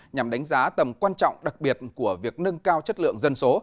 nhằm đánh giá tầm quan trọng đặc biệt của việc nâng cao chất lượng dân số